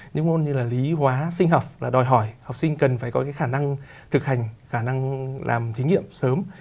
những môn như là lý hóa sinh học là đòi hỏi học sinh cần phải có cái khả năng thực hành khả năng làm thí nghiệm sớm